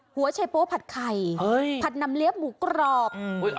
หัวแชโป้ผัดไข่ผัดนำเล็บหมูกรอบ